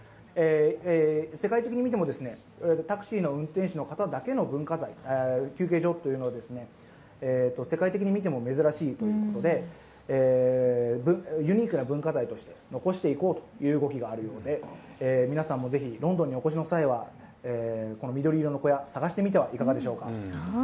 ただ、タクシーの運転手の方だけの休憩所というのは、世界的に見ても珍しいということでユニークな文化財として残していこうという動きがあるようで、皆さんもぜひ、ロンドンにお越しの際は、この緑色の小屋、探してみてはいかがでしょうか？